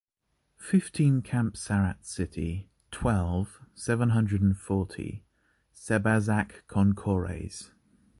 Fifteen Camp Sarrats City, twelve, seven hundred and forty, Sébazac-Concourès